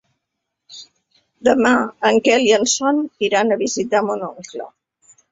Demà en Quel i en Sol iran a visitar mon oncle.